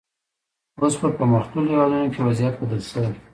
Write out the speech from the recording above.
اوس په پرمختللو هېوادونو کې وضعیت بدل شوی دی.